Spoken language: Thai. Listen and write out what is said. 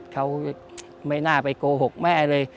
เขาไม่น่าไปโกหกแม่เลย